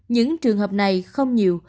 những trường hợp này không nhiều